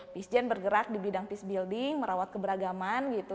peacegen bergerak di bidang peace building merawat keberagaman gitu